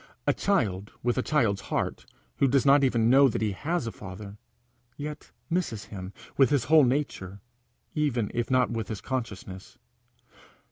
A child with a child's heart who does not even know that he has a father, yet misses him with his whole nature, even if not with his consciousness.